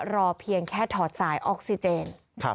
เพียงแค่ถอดสายออกซิเจน